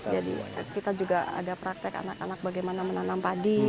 jadi kita juga ada praktek anak anak bagaimana menanam padi